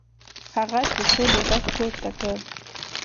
هغه د سولې غږ پورته کړ.